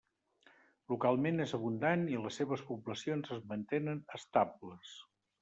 Localment és abundant i les seves poblacions es mantenen estables.